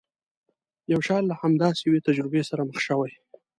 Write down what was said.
یو شاعر له همداسې یوې تجربې سره مخ شوی.